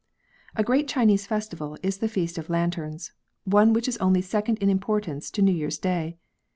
A GREAT Chinese festival is the Feast x)f Lanterns, one which is only second in importance to New Year's Day.